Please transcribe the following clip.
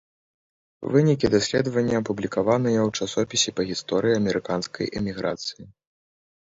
Вынікі даследавання апублікаваныя ў часопісе па гісторыі амерыканскай эміграцыі.